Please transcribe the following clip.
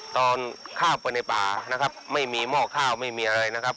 ตอนเข้าไปในป่านะครับไม่มีหม้อข้าวไม่มีอะไรนะครับ